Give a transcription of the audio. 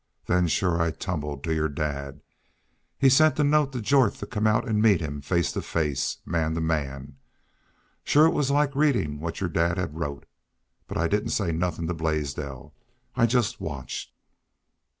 Then shore I tumbled to your dad. He'd sent a note to Jorth to come out an' meet him face to face, man to man! ... Shore it was like readin' what your dad had wrote. But I didn't say nothin' to Blaisdell. I jest watched."